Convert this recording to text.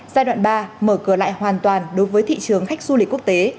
giai đoạn ba mở cửa lại hoàn toàn đối với thị trường khách du lịch quốc tế